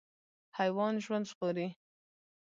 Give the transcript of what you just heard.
حیوان ژوند ژغوري.